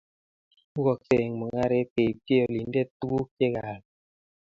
Imukoksei eng mungaret keibchi olindet tuguk che kaal